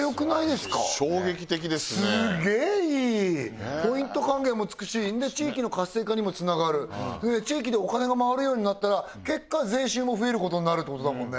すげえいいポイント還元もつくし地域の活性化にもつながる地域でお金が回るようになったら結果税収も増えることになるってことだもんね